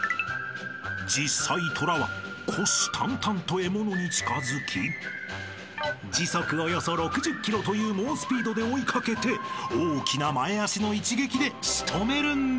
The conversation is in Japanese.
［実際虎は虎視眈々と獲物に近づき時速およそ６０キロという猛スピードで追い掛けて大きな前足の一撃で仕留めるんです］